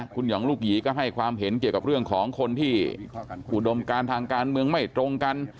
คุณหองลูกหยีก็ให้ความเห็นเกี่ยวกับเรื่องของคนที่อุดมการทางการเมืองไม่ตรงกัน